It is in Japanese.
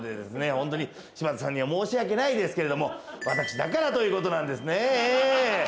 本当に柴田さんには申し訳ないですけれども私だからという事なんですね。